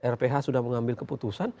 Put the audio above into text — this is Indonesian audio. rph sudah mengambil keputusan